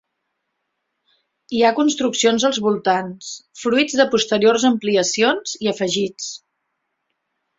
Hi ha construccions als voltants, fruits de posteriors ampliacions i afegits.